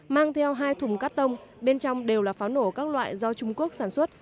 mang theo hai thùng cắt tông bên trong đều là pháo nổ các loại do trung quốc sản xuất